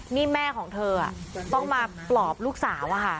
นี่แม่ของเธอต้องมาปลอบลูกสาว